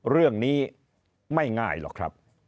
เรื่องนี้ไม่ง่ายหรอกครับ